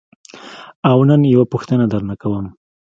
او نن یوه پوښتنه درنه کوم.